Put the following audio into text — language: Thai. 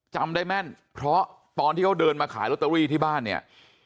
จำได้แม่นเพราะตอนที่เขาเดินมาขายลอตเตอรี่ที่บ้านเนี่ย